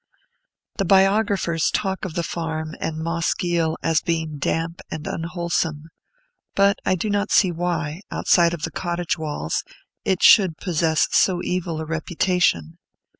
The biographers talk of the farm of Moss Giel as being damp and unwholesome; but, I do not see why, outside of the cottage walls, it should possess so evil a reputation.